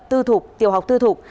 tư thục tiểu học tư thục